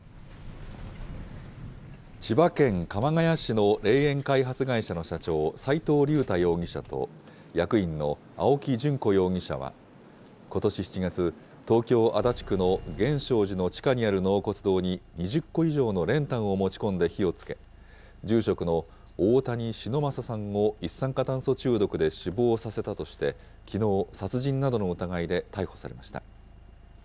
千葉県鎌ケ谷市の霊園開発会社の社長、齋藤竜太容疑者と、役員の青木淳子容疑者は、ことし７月、東京・足立区の源証寺の地下にある納骨堂に２０個以上の練炭を持ち込んで火をつけ、住職の大谷忍昌さんを一酸化炭素中毒で死亡させたとして、きのう、殺人などの疑いで逮捕されました。